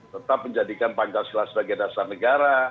tetap menjadikan pancasila sebagai dasar negara